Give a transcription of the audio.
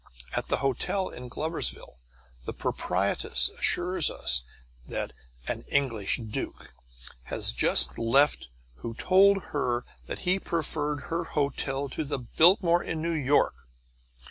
At the hotel in Gloversville the proprietress assured us that "an English duke" had just left who told her that he preferred her hotel to the Biltmore in New York.